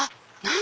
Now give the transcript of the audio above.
何？